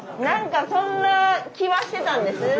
なんかそんな気はしてたんです。